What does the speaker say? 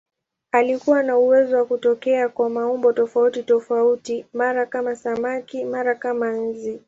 Alikuwa na uwezo wa kutokea kwa maumbo tofautitofauti, mara kama samaki, mara kama nzi.